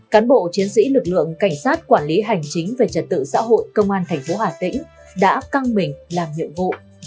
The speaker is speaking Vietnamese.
cán bộ chiến sĩ lực lượng cảnh sát quản lý hành chính về trật tự xã hội công an thành phố hà tĩnh đã căng mình làm nhiệm vụ